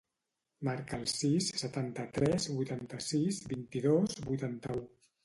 Marca el sis, setanta-tres, vuitanta-sis, vint-i-dos, vuitanta-u.